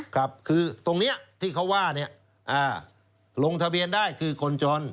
ครับคือตรงนี้ที่เขาว่าลงทะเบียนได้คือคนจน